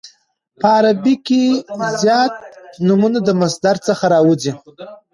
په عربي کښي زیات نومونه د مصدر څخه راوځي.